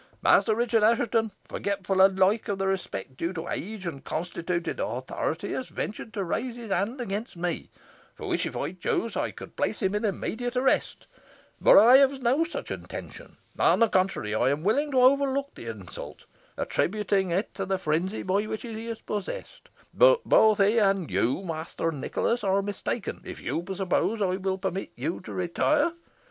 Master Richard Assheton, forgetful alike of the respect due to age and constituted authority, has ventured to raise his hand against me, for which, if I chose, I could place him in immediate arrest. But I have no such intention. On the contrary, I am willing to overlook the insult, attributing it to the frenzy by which he is possessed. But both he and you, Master Nicholas, are mistaken if you suppose I will permit you to retire.